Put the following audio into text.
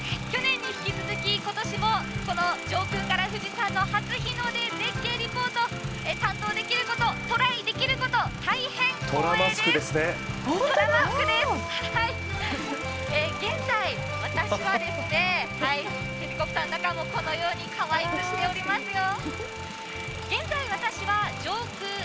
去年に引き続き今年も上空から富士山の初日の出絶景リポート、担当できること、トライできること大変光栄です。